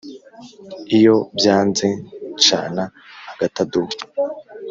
Iyo byanze nshana agatadowa